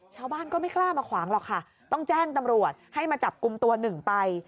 ชาวบ้านก็ไม่กล้ามาขวางหรอกค่ะต้องแจ้งตำรวจให้มาจับกลุ่มตัวหนึ่งไป